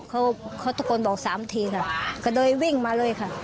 เขาเขาตะโกนบอกสามทีค่ะก็เลยวิ่งมาเลยค่ะ